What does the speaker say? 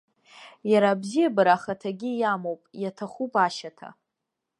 Иара абзиабара ахаҭагьы иамоуп, иаҭахуп ашьаҭа.